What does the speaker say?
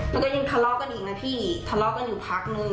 แล้วก็ยังทะเลาะกันอีกนะพี่ทะเลาะกันอยู่พักนึง